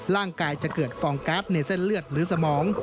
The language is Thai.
ร่างกายจะเกิดฟองกัสในเส้นเลือดหรือสมอง